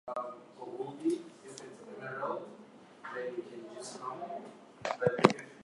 Sex, crime and drugs ruled the streets, as the city began to decay.